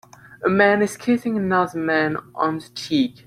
A man is kissing another man on the cheek.